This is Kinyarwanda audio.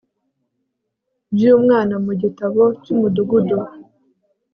by'umwana mu gitabo cy'umudugudu